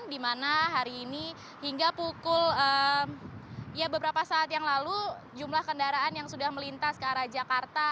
di mana hari ini hingga pukul beberapa saat yang lalu jumlah kendaraan yang sudah melintas ke arah jakarta